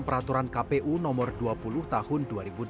peraturan kpu nomor dua puluh tahun dua ribu delapan belas